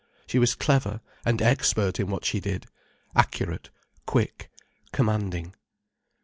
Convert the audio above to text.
She was clever, and expert in what she did, accurate, quick, commanding.